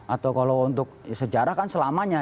atau kalau untuk sejarah kan selamanya